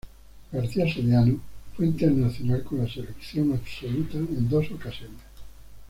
García Soriano fue internacional con la selección absoluta en dos ocasiones.